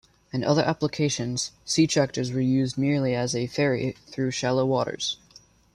In other applications, sea tractors were used merely as a ferry through shallow waters.